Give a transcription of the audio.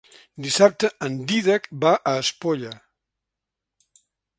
Dissabte en Dídac va a Espolla.